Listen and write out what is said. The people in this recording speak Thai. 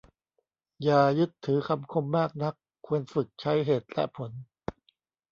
อย่ายึดถือคำคมมากนัก ควรฝึกใช้เหตุและผล